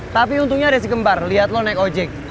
tapi untungnya ada si kembar lihat lo naik ojek